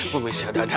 bu missy agak ada ajar